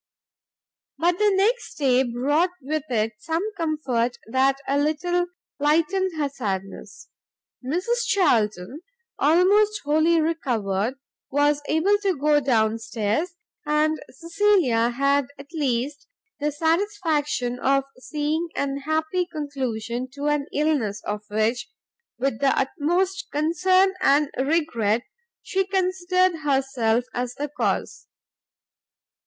But the next day brought with it some comfort that a little lightened her sadness; Mrs Charlton, almost wholly recovered, was able to go down stairs, and Cecilia had at least the satisfaction of seeing an happy conclusion to an illness of which, with the utmost concern and regret, she considered herself as the cause.